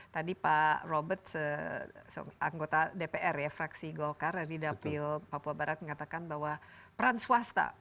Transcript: tadi pak robert anggota dpr ya fraksi golkar dari dapil papua barat mengatakan bahwa peran swasta